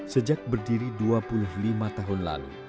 sejak berdiri dua puluh lima tahun lalu